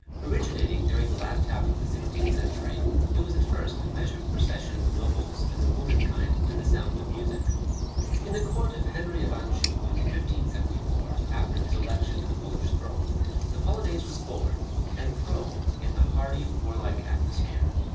Originating during the last half of the sixteenth century, it was at first a measured procession of nobles and their womankind to the sound of music. In the court of Henry of Anjou, in 1574, after his election to the Polish throne, the Polonaise was born, and throve in the hardy, warlike atmosphere.